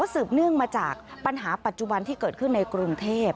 เนื่องมาจากปัญหาปัจจุบันที่เกิดขึ้นในกรุงเทพ